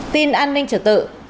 tin an ninh trở tự